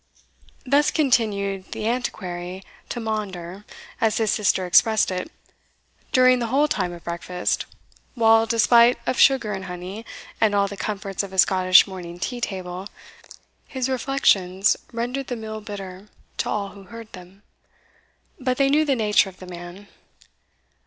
Thus continued the Antiquary to maunder, as his sister expressed it, during the whole time of breakfast, while, despite of sugar and honey, and all the comforts of a Scottish morning tea table, his reflections rendered the meal bitter to all who heard them. But they knew the nature of the man.